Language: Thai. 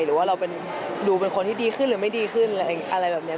หรือว่าเราดูเป็นคนที่ดีขึ้นหรือไม่ดีขึ้นอะไรแบบนี้